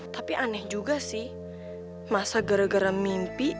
tapi aneh juga sih masa gara gara mimpi